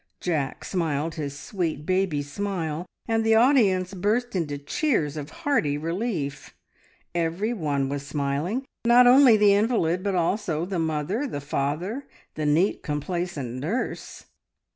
Jack smiled his sweet, baby smile, and the audience burst into cheers of hearty relief. Every one was smiling not only the invalid, but also the mother, the father, the neat, complacent nurse.